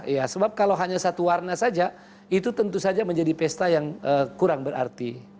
ya sebab kalau hanya satu warna saja itu tentu saja menjadi pesta yang kurang berarti